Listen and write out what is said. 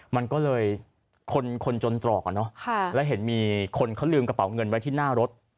มันก็เลยคนจนตรอกอ่ะเนอะแล้วเห็นมีคนเขาลืมกระเป๋าเงินไว้ที่หน้ารถ